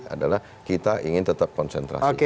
adalah kita ingin tetap konsentrasi